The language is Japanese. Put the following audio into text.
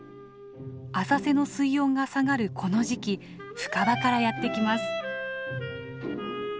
浅瀬の水温が下がるこの時期深場からやって来ます。